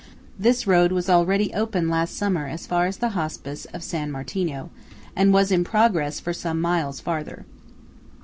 This road was already open last summer as far as the Hospice of San Martino, and was in progress for some miles farther.